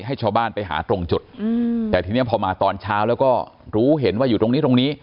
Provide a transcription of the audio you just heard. ให้ชาวบ้านไปหาตรงจุดแต่ทีนี้พอมาตอนเช้าแล้วก็รู้เห็นว่าอยู่ตรงนี้ตรงนี้